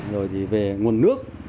rồi thì về nguồn nước